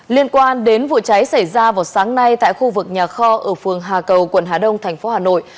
liên quan đến vụ cháy xảy ra vào sáng nay tại khu vực nhà kho ở phường hà cầu quận hà đông thành phố hà nội